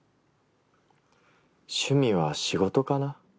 趣味は仕事かな。